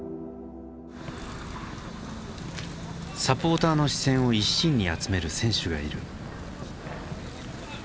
サポーターの視線を一身に集める選手がいる。